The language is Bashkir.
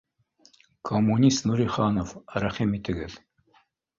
— Коммунист Нуриханов, рәхим итегеҙ